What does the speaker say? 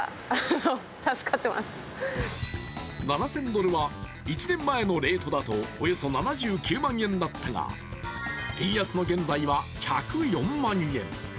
７０００ドルは、１年前のレートだとおよそ７９万円だったが、円安の現在は１０４万円。